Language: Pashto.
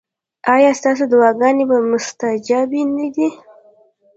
ایا ستاسو دعاګانې مستجابې نه دي؟